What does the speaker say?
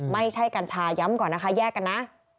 กัญชาย้ำก่อนนะคะแยกกันนะ